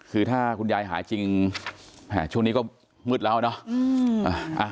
คือถ้าคุณยายหายจริงช่วงนี้ก็มืดแล้วเนาะ